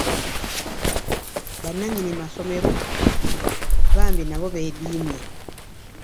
Bannannyini masomero bambi nabo beediimye.